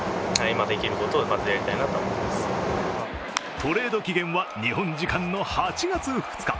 トレード期限は日本時間の８月２日。